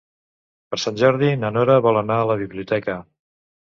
Per Sant Jordi na Nora vol anar a la biblioteca.